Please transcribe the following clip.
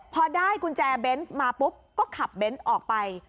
พอได้กุญแจเบนส์มาปุ๊บก็ขับเบนส์ออกไป